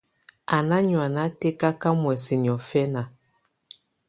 Á ná nùáná tɛkaká muɛ̀sɛ niɔ̀fɛna.